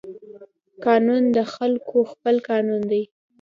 قانون د خلقو خپل قانون دى.